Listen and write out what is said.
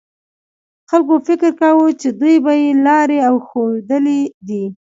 خلکو فکر کاوه چې دوی بې لارې او ښویېدلي دي.